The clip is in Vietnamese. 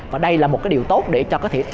và đây là một cái điều tốt để cho các thiện